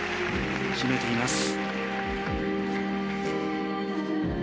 決めています。